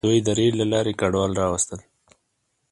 دوی د ریل له لارې کډوال راوستل.